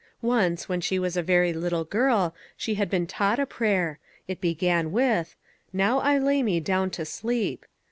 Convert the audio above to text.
Once, when she was a very little girl, she had been taught a prayer. It began with :" Now I lay me down to sleep."